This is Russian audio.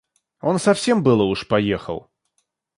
Он совсем было уж поехал.